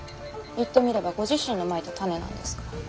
言ってみればご自身のまいた種なんですから。